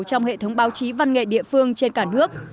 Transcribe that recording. trong hệ thống báo chí văn nghệ địa phương trên cả nước